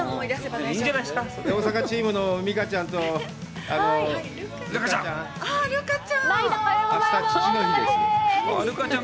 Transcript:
大阪チームの美佳ちゃんと留伽ちゃん。